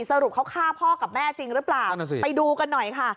สรุปเขาฆ่าพ่อกับแม่จริงหรือเปล่าไปดูกันหน่อยค่ะ